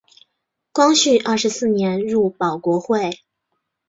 光绪二十四年入保国会。